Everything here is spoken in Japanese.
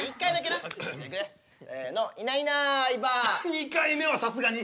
２回目はさすがに。